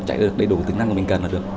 chạy được đầy đủ tính năng mà mình cần là được